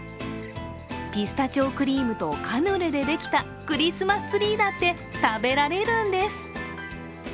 ピスタチオクリームとカヌレでできたクリスマスツリーだって食べられるんです。